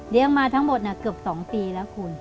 มาทั้งหมดเกือบ๒ปีแล้วคุณ